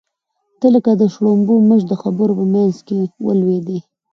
ته لکه د شړومبو مچ د خبرو په منځ کې ولوېدې.